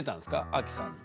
アキさんの。